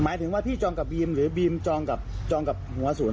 หมายถึงว่าพี่จองกับบีมหรือบีมจองกับจองกับหัวศูนย์